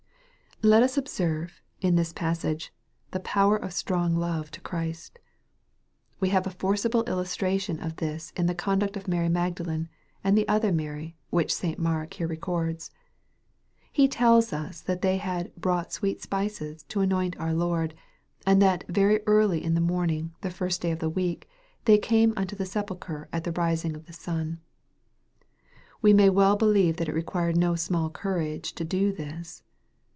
LET us observe, in this passage, the power of strong love 354 EXPOSITOKY THOUGHTS. to Christ. We have a forcible illustration of this ir the conduct of Mary Magdalene, and the other Mary, which St. Mark here records. He tells us that they had "bought sweet spices" to anoint our Lord, and that " very early in the morning, the first day of the week, they came unto the sepulchre, at the rising of the sun." We may well believe that it required no small courage to do this.